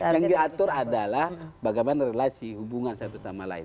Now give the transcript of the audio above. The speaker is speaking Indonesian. yang diatur adalah bagaimana relasi hubungan satu sama lain